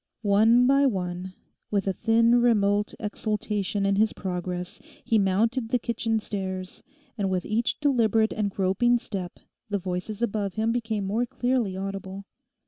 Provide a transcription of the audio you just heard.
One by one, with a thin remote exultation in his progress, he mounted the kitchen stairs, and with each deliberate and groping step the voices above him became more clearly audible.